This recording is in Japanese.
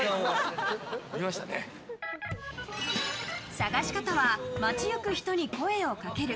探し方は街行く人に声をかける。